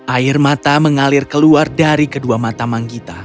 air mata mengalir keluar dari kedua mata manggita